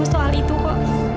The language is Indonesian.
aku tau soal itu kok